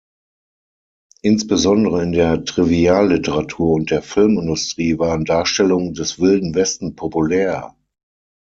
Insbesondere in der Trivialliteratur und der Filmindustrie waren Darstellungen des "Wilden Westen" populär.